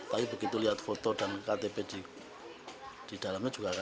tapi begitu lihat foto dan ktp di dalamnya juga